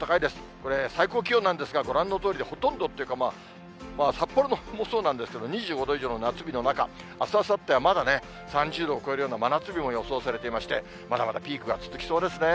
これ、最高気温なんですが、ご覧のとおりでほとんどっていうか、札幌のほうもそうなんですけれども、２５度以上の夏日の中、あす、あさっては、まだね、３０度を超えるような真夏日も予想されていまして、まだまだピークが続きそうですね。